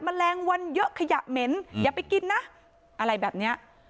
แมลงวันเยอะขยะเหม็นอย่าไปกินนะอะไรแบบเนี้ย